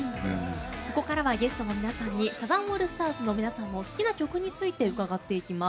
ここからはゲストの皆さんにサザンオールスターズの皆さんの好きな曲について伺います。